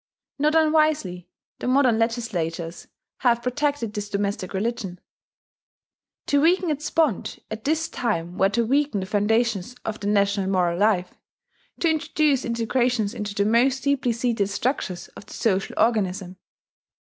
Not unwisely, the modern legislators have protected this domestic religion: to weaken its bond at this time were to weaken the foundations of the national moral life, to introduce disintegrations into the most deeply seated structures of the social organism.